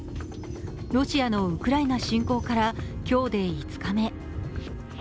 ロシアのウクライナ侵攻から今日で５日目。